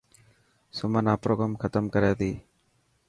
سمن آپرو ڪم ختم ڪري تي.